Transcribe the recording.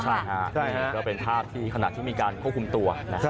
ใช่นี่ก็เป็นภาพที่ขณะที่มีการควบคุมตัว